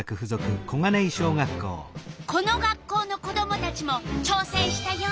この学校の子どもたちもちょうせんしたよ。